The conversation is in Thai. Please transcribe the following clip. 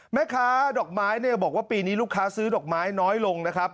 แม่ค้าดอกไม้เนี่ยบอกว่าปีนี้ลูกค้าซื้อดอกไม้น้อยลงนะครับ